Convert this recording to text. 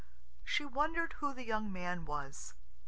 She wondered who the young man was.